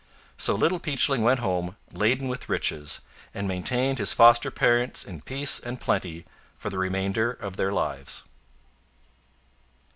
So Little Peachling went home laden with riches, and maintained his foster parents in peace and plenty for the remainder of their lives.